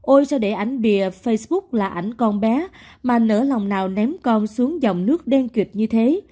ôi sẽ để ảnh bìa facebook là ảnh con bé mà nở lòng nào ném con xuống dòng nước đen kịch như thế